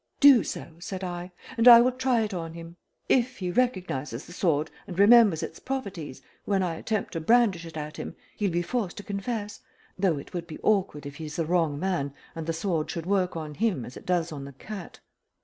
"Do so," said I, "and I will try it on him. If he recognizes the sword and remembers its properties when I attempt to brandish it at him, he'll be forced to confess, though it would be awkward if he is the wrong man and the sword should work on him as it does on the cat."